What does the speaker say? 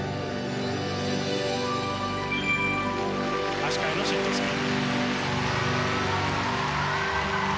足換えのシットスピン。